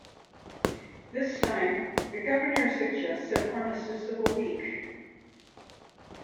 This time, the Governor suggests an armistice of a week.